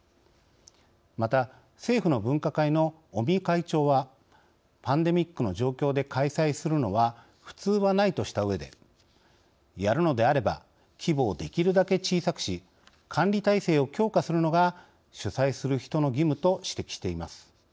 また、政府の分科会の尾身会長は「パンデミックの状況で開催するのは、普通はない」としたうえで「やるのであれば規模をできるだけ小さくし管理体制を強化するのが主催する人の義務」と指摘しています。